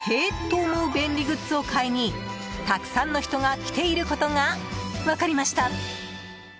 梅雨や夏に向け思わず、へえと思う便利グッズを買いにたくさんの人が来ていることが分かりました。